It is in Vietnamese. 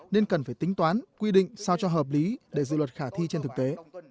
nên cần phải tính toán quy định sao cho hợp lý để dự luật khả thi trên thực tế